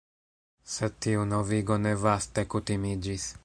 Sed tiu novigo ne vaste kutimiĝis.